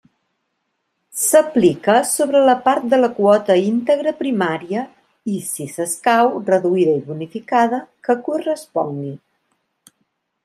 S'aplica sobre la part de la quota íntegra primària i, si s'escau, reduïda i bonificada que correspongui.